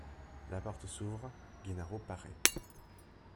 La porte s’ouvre, Gennaro paraît.